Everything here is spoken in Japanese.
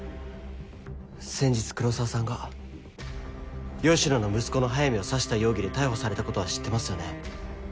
先日黒澤さんが芳野の息子の速水を刺した容疑で逮捕されたことは知ってますよね？